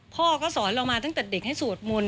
พ่อก็สอนเรามาตั้งแต่เด็กให้สวดมนต์